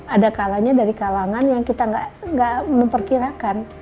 ada kalanya dari kalangan yang kita nggak memperkirakan